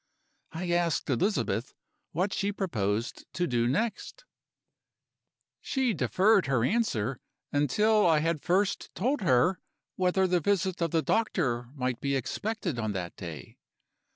"I asked Elizabeth what she proposed to do next. "She deferred her answer, until I had first told her whether the visit of the doctor might be expected on that day.